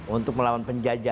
untuk melawan penjajah